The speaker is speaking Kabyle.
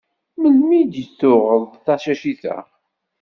Melmi i d-tuɣeḍ tacacit-a?